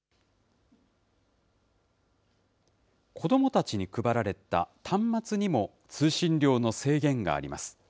子どもたちに配られた端末にも、通信量の制限があります。